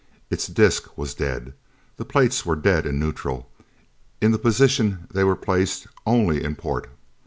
Its disc was dead! The plates were dead in neutral: in the position they were placed only in port!